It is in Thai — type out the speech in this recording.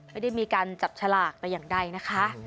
ไม่ได้มีการจับฉลากแต่อย่างใดนะคะ